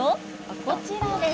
こちらです。